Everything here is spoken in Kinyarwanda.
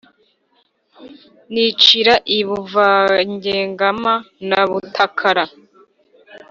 nicira i Buvugangema na Mutakara,